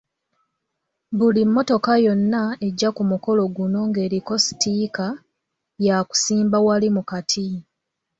Buli mmotoka yonna ejja ku mukolo guno ng'eriko sitiika yakusimba wali mu kati.